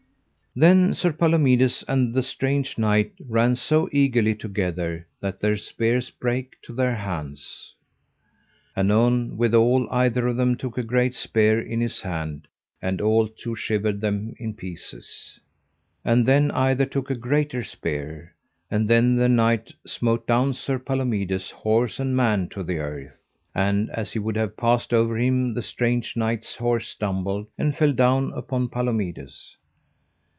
Then Sir Palomides and the strange knight ran so eagerly together that their spears brake to their hands. Anon withal either of them took a great spear in his hand and all to shivered them in pieces. And then either took a greater spear, and then the knight smote down Sir Palomides, horse and man, to the earth. And as he would have passed over him the strange knight's horse stumbled and fell down upon Palomides.